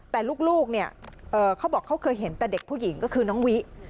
แต่ลูกเนี่ยเขาบอกเขาเคยเห็นแต่เด็กผู้หญิงก็คือน้องวิ